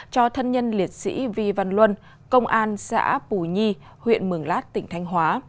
cho thân nhân liệt sĩ vy văn luân công an xã bùi nhi huyện mường lát tỉnh thanh hóa